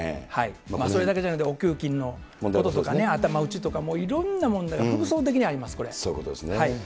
それだけじゃなくて、お給金のこととかね、頭打ちとかいろんな問題が複層的にあります、そういうことですね。